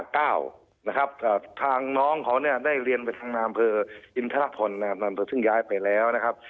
ทางน้องเขาได้เรียนไปทางนามเภออินทรพลนามเภอซึ่งย้ายไปแล้วนะครับ